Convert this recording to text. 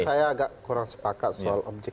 saya agak kurang sepakat soal objektifitas itu